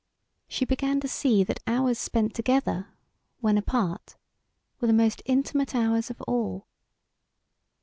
She began to see that hours spent together when apart were the most intimate hours of all.